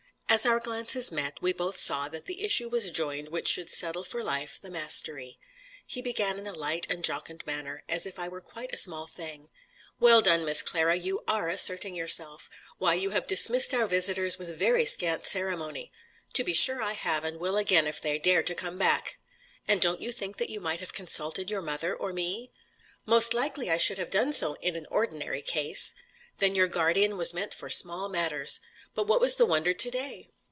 As our glances met, we both saw that the issue was joined which should settle for life the mastery. He began in a light and jocund manner, as if I were quite a small thing. "Well done, Miss Clara, you are asserting yourself. Why, you have dismissed our visitors with very scant ceremony." "To be sure I have; and will again, if they dare to come back." "And don't you think that you might have consulted your mother or me?' "Most likely I should have done so, in an ordinary case." "Then your guardian was meant for small matters! But what was the wonder to day?"